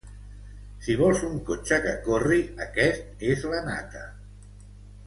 Si vols un cotxe que corri, aquest és la nata.